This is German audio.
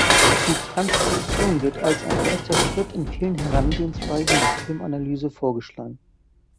Die Transkription wird als ein erster Schritt in vielen Herangehensweisen der Filmanalyse vorgeschlagen.